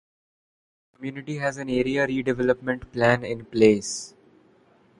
The community has an area redevelopment plan in place.